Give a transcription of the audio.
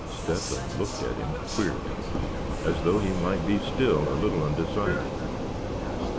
Step hen looked at him queerly, as though he might be still a little undecided.